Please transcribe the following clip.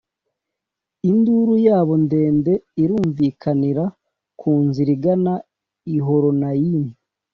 induru yabo ndende irumvikanira ku nzira igana i Horonayimu.